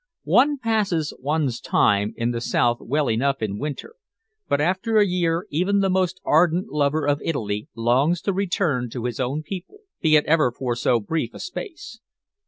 One passes one's time in the south well enough in winter, but after a year even the most ardent lover of Italy longs to return to his own people, be it ever for so brief a space.